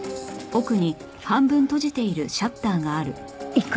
行く？